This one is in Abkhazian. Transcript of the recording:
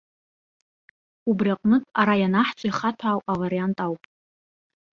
Убри аҟнытә ара ианаҳҵо ихаҭәаау авариант ауп.